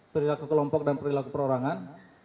perilaku kelompok dan perilaku perorangan